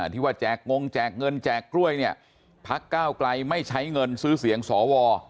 ที่ว่าแจกงงแจกเงินแจกกล้วยเนี่ยพักก้าวไกลไม่ใช้เงินซื้อเสียงสว